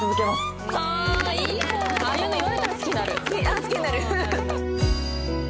あっ好きになる？